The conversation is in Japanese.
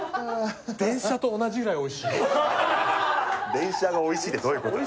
電車がおいしいってどういうことよ